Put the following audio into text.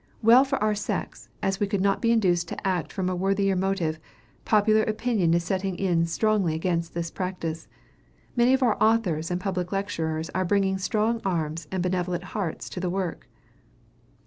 Well for our sex, as we could not be induced to act from a worthier motive, popular opinion is setting in strongly against this practice. Many of our authors and public lecturers are bringing strong arms and benevolent hearts to the work.